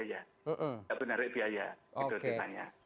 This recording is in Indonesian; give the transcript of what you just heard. tidak boleh menarik biaya